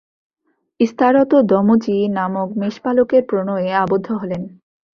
ইস্তারত দমুজি-নামক মেষপালকের প্রণয়ে আবদ্ধ হলেন।